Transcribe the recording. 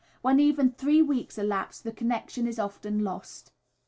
When even three weeks elapse the connection is often lost.